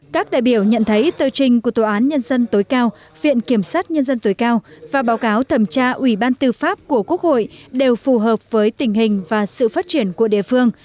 các đại biểu nhận thấy tờ trình của tòa án nhân dân tối cao viện kiểm sát nhân dân tối cao và báo cáo thẩm tra ubthqh đều phù hợp với tình hình và sự phát triển của địa phương